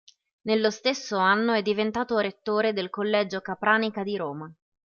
Nello stesso anno è diventato rettore del collegio Capranica di Roma.